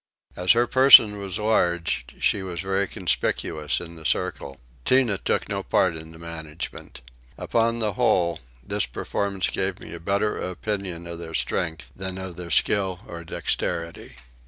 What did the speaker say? As her person was large she was very conspicuous in the circle. Tinah took no part in the management. Upon the whole this performance gave me a better opinion of their strength than of their skill or dexterity.